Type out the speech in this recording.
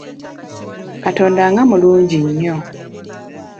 Katonda nga mulungi nnyo!